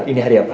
ini hari apa